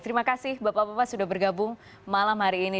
terima kasih bapak bapak sudah bergabung malam hari ini